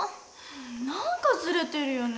何かずれてるよね。